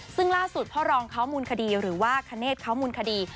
ซึ่งล่าสุดพ่อรองเขามูลคดีหรือว่าคเนธเขามูลคดี